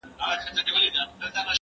هغه وويل چي وخت تنظيم کول ضروري دي؟